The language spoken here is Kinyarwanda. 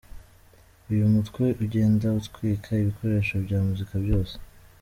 Uyu mutwe ugenda utwika ibikoresho bya muzika byose.